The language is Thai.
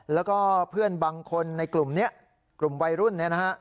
แล้วก็เพื่อนบางคนในกลุ่มนี้กลุ่มวัยรุ่นเนี่ยนะฮะ